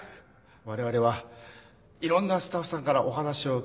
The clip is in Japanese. われわれはいろんなスタッフさんからお話を聞きました。